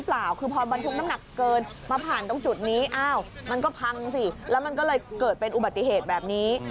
แล้วมันก็เลยเกิดเป็นอุบัติเหตุแบบนี้